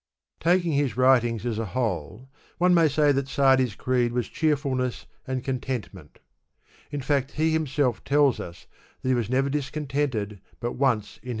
Taking his writings as a whole, one may say that SaMi^s creed was cheeHulness and contentment. In ^act he him self tells us that he was never discontented but once in his 1 Gladwin's translation.